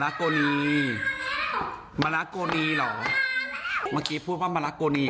เป็นมะระผสมกับโกนี